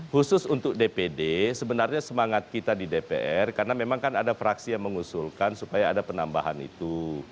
khusus untuk dpd sebenarnya semangat kita di dpr karena memang kan ada fraksi yang mengusulkan supaya ada penambahan itu